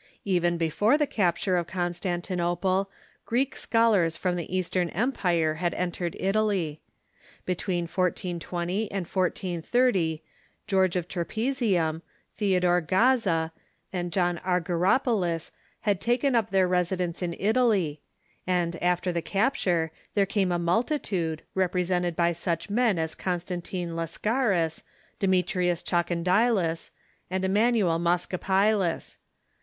Even before the capture of Constantinople, Greek schol ars from the Eastern Empire had entered Italy. Between 1420 and 1430 George of Trapezium, Theodore Gaza, and John Argyropylus had taken up their residence in Italy ; and, after the capture, there came a multitude, represented by such men as Constantine Lascaris, Demetrius Chalkondylas, and Eman uel Moschopylus.